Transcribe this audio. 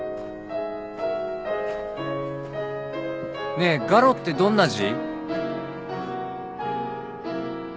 ねえ「ガロ」ってどんな字？